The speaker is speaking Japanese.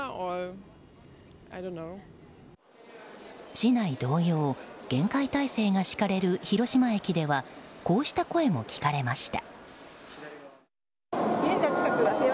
市内同様厳戒態勢が敷かれる広島駅ではこうした声も聞かれました。